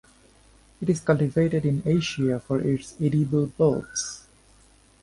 It is cultivated in Asia for its edible bulbs.